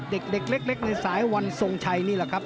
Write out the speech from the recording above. เด็กเล็กในสายวันทรงชัยนี่แหละครับ